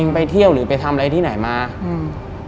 ไปเที่ยวหรือไปทำอะไรที่ไหนมาอืม